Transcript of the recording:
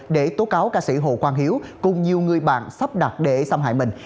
để tố cáo ca sĩ hồ quang hiếu cùng nhiều người bạn sắp đặt để xâm hại mình